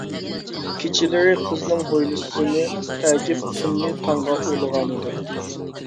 كېچىلىرى قىزنىڭ ھويلىسىنى ئەگىپ تۈننى تاڭغا ئۇلىغانىدى.